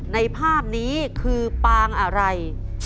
ในภาพนี้คือปางอะไร